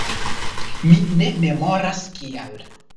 Mi ne memoras, kial.